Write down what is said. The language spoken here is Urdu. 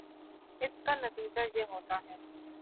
اس کا نتیجہ یہ ہوتا ہے